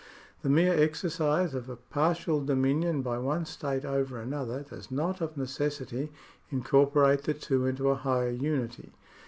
The mere exercise of a partial dominion by one state over another does not of necessity incorporate the two into a higher unity.